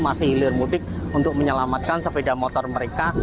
masih hilir mudik untuk menyelamatkan sepeda motor mereka